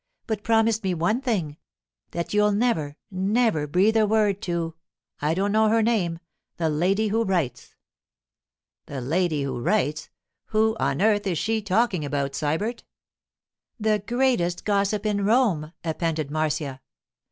'But promise me one thing: that you'll never, never breathe a word to—I don't know her name—the Lady who Writes.' 'The Lady who Writes? Who on earth is she talking about, Sybert?' 'The greatest gossip in Rome,' appended Marcia.